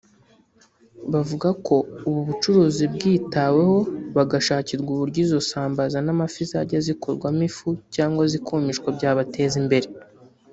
Bavuga ko ubu bucuruzi bwitaweho bagashakirwa uburyo izo sambaza n’amafi zajya zikorwamo ifu cyangwa zikumishwa byabateza imbere